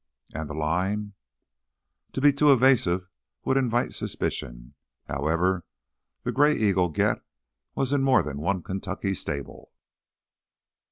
"And the line?" To be too evasive would invite suspicion. However, the Gray Eagle get was in more than one Kentucky stable.